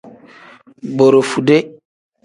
Borofude.